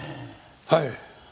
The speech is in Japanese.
はい。